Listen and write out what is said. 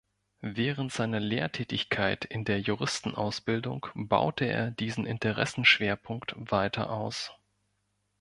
Während seiner Lehrtätigkeit in der Juristenausbildung baute er diesen Interessenschwerpunkt weiter aus.